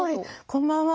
「こんばんは。